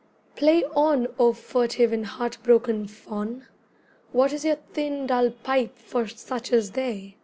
Play on, O furtive and heartbroken Faun! What is your thin dull pipe for such as they?